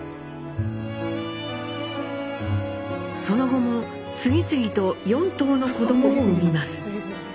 その後も次々と４頭の子どもを産みます。